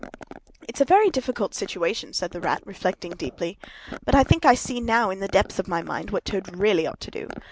"It's a very difficult situation," said the Rat, reflecting deeply. "But I think I see now, in the depths of my mind, what Toad really ought to do.